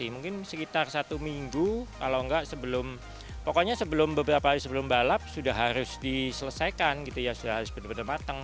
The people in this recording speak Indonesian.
mungkin sekitar satu minggu kalau enggak sebelum pokoknya sebelum beberapa hari sebelum balap sudah harus diselesaikan gitu ya sudah harus benar benar matang